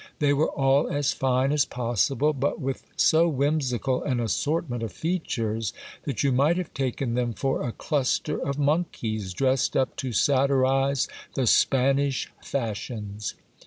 They were all as fine as possible, but with so whimsical an assortment of features, that you might have taken them for a cluster of monkeys dressed up to satirize the Spanish fashions.